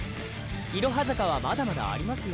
いろは坂はまだまだありますよ。